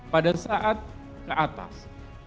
pada saat ke atas